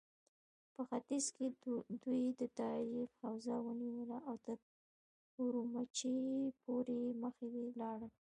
په ختيځ کې دوی د تاريم حوزه ونيوله او تر اورومچي پورې مخکې لاړل.